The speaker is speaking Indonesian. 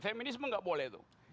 feminismen nggak boleh itu